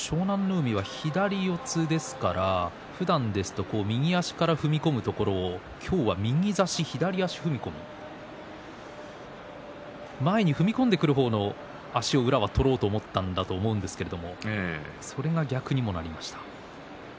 海は左四つですからふだんは右足から踏み込むところを今日は右差し、左足の踏み込み前に踏み込んでくる方の足を宇良は取ろうと思ったんですがそれが逆になりました。